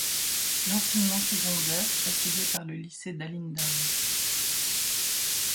L'enseignement secondaire est assuré par le lycée d'Alindao.